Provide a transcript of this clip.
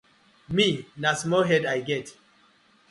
Mi na small head I get.